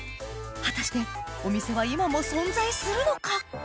果たしてお店は今も存在するのか？